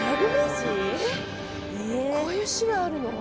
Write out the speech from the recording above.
こういう市があるの？